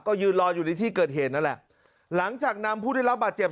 ก็ยืนรออยู่ในที่เกิดเหตุนั่นแหละหลังจากนำผู้ได้รับบาดเจ็บ